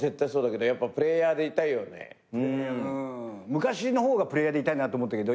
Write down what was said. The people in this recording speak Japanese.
昔の方がプレイヤーでいたいなと思ったけど今ちょっと。